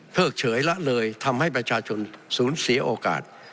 กเฉยละเลยทำให้ประชาชนสูญเสียโอกาส